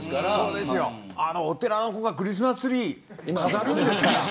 お寺の子がクリスマスツリー飾ってるんですから。